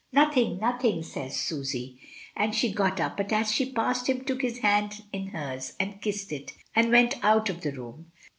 "Nothing, nothing," says Susy, and she got up, but as she passed him took his hand in hers and kissed it, and went out of the room.